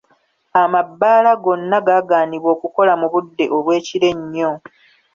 Amabbaala gonna gaaganibwa okukola mu budde obw'ekiro ennyo.